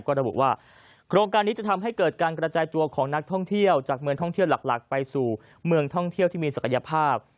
ก็ระบุว่าโครงการนี้จะทำให้เกิดการกระจายตัวของนักท่องเที่ยวจากเมืองท่องเที่ยวหลักไปสู่เมืองท่องเที่ยวที่มีศักยภาพ